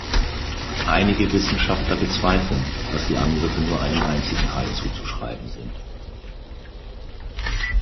Einige Wissenschaftler bezweifeln, dass die Angriffe nur einem einzigen Hai zuzuschreiben sind.